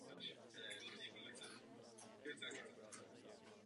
Tento seznam je řazen podle roku registrace sdružení.